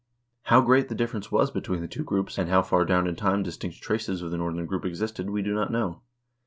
How great the difference was between the two groups, and how far down in time dis tinct traces of the northern group existed, we do not know.